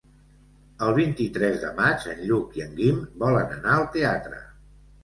El vint-i-tres de maig en Lluc i en Guim volen anar al teatre.